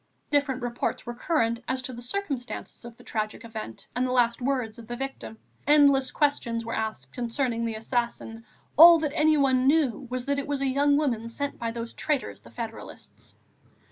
Different reports were current, as to the circumstances of the tragic event and the last words of the victim; endless questions were asked concerning the assassin, all that anyone knew was that it was a young woman sent by those traitors, the federalists.